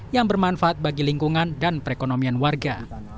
yang bermanfaat bagi lingkungan dan perekonomian warga